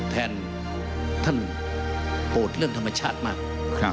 แทนท่านโปรดเรื่องธรรมชาติมาก